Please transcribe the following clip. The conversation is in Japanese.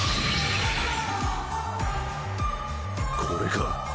これか！